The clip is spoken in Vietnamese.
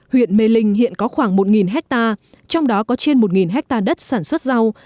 huyện mê linh hiện có khoảng một hectare trong đó có trên một hectare đất sản xuất rau